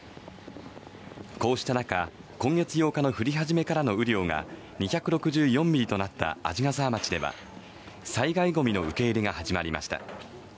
こうした中今月８日の降り始めからの雨量が２６４ミリとなった鰺ヶ沢町では災害ごみの受け入れが始まりました